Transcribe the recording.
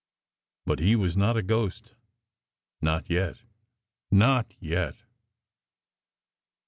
But he was not a ghost. Not yet not yet!